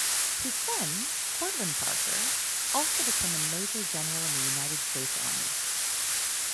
His son, Cortlandt Parker, also became a major general in the United States Army.